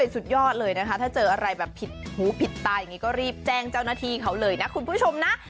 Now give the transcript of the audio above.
สุดยอดเลยนะคะถ้าเจออะไรแบบผิดหูผิดตาอย่างนี้ก็รีบแจ้งเจ้าหน้าที่เขาเลยนะคุณผู้ชมนะ